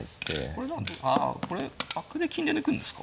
これでもあこれ角で金で抜くんですか？